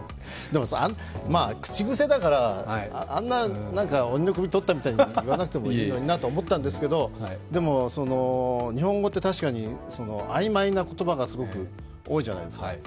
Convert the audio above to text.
口癖だから、あんな鬼の首取ったみたいに言わなくてもいいのになと思ったんですけど、でも、日本語って確かに曖昧な言葉がすごく多いじゃないですか。